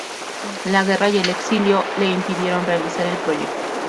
La guerra y el exilio le impidieron realizar el proyecto.